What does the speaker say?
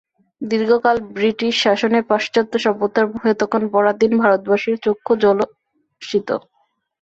দীর্ঘকাল ব্রিটিশ শাসনে পাশ্চাত্য সভ্যতার মোহে তখন পরাধীন ভারতবাসীর চক্ষু ঝলসিত।